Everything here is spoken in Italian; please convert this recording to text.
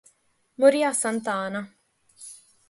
Morì a Santa Ana.